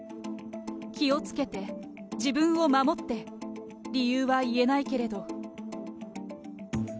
気をつけて、自分を守って、理由は言えないけれど。